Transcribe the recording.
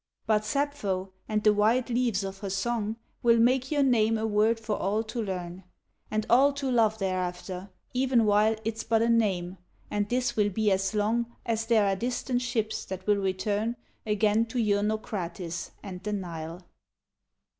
But Sappho, and the white leaves of her song, Will make your name a word for all to learn. And all to love thereafter, even while It's but a name ; and this will be as long As there are distant ships that will return Again to your Naucratis and the Nile.